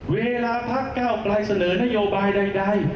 เวลาพักเก้าไกลเสนอนโยบายใด